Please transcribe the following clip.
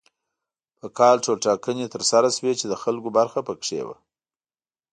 په کال ټولټاکنې تر سره شوې چې د خلکو برخه پکې وه.